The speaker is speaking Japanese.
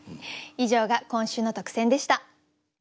以上が今週の特選でした。